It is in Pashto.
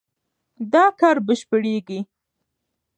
دا کار بشپړېږي.